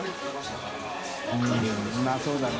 Δうまそうだな。